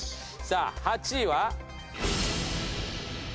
さあ８位は？